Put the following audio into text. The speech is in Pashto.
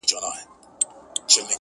o خو اوس د اوښكو سپين ځنځير پر مخ گنډلی.